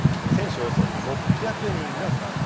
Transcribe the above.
およそ６００人が参加。